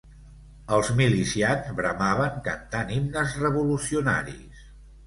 Els milicians bramaven cantant himnes revolucionaris